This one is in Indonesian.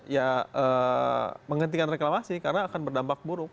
ya menghentikan reklamasi karena akan berdampak buruk